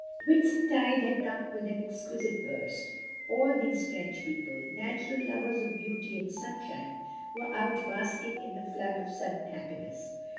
Whitsuntide had come with an exquisite burst. All these French people, natural lovers of beauty and sunshine, were out bask ing in the flood of sudden happiness.